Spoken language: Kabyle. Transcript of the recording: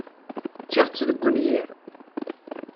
Ččiɣ-tt deg unyir.